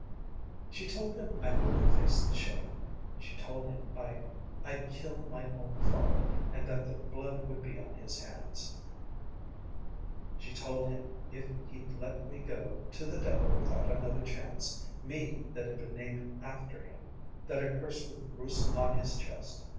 "She told him I wouldn't face the shame; she told him I I'd kill my own father, and that the blood would be on his hands; she told him if he'd let me go to the devil without another chance me that had been named after him that a curse would roost on his chest.